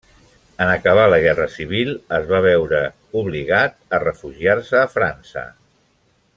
En acabar la guerra civil, es va veure obligat a refugiar-se a França.